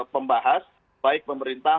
pembahas baik pemerintah